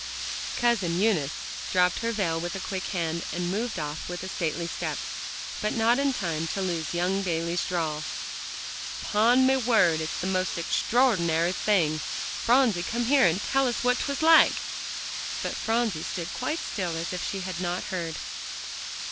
Cousin Eunice dropped her veil with a quick hand, and moved off with a stately step, but not in time to lose young Bayley's drawl: "'Pon me word it's the most extraordinary thing. Phronsie, come here, and tell us what 'twas like." But Phronsie stood quite still as if she had not heard.